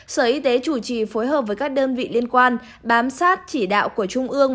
sở y tế chủ trì phối hợp với các đơn vị liên quan bám sát chỉ đạo của trung ương